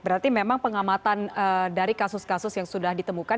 berarti memang pengamatan dari kasus kasus yang sudah ditemukan